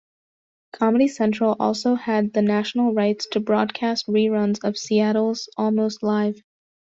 Comedy Central also had the national rights to broadcast reruns of Seattle's Almost Live!